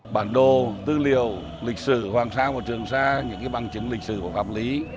bản đồ tư liệu lịch sử hoàng sa và trường sa những bằng chứng lịch sử và pháp lý